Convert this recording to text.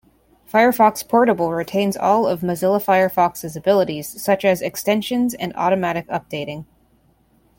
Firefox Portable retains all of Mozilla Firefox's abilities such as extensions and automatic updating.